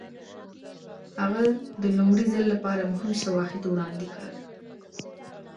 هغه د لومړي ځل لپاره مهم شواهد وړاندې کړل.